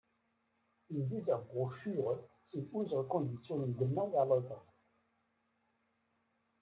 In dieser Broschüre sind unsere Konditionen genau erläutert.